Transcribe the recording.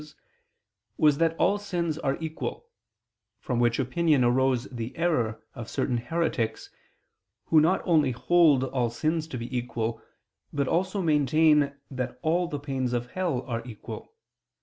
iii), was that all sins are equal: from which opinion arose the error of certain heretics, who not only hold all sins to be equal, but also maintain that all the pains of hell are equal.